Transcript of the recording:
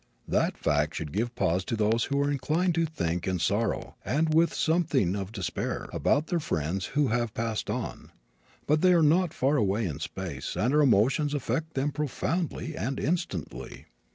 That fact should give pause to those who are inclined to think in sorrow, and with something of despair, about their friends who have passed on. They are not far away in space and our emotions affect them profoundly and instantly.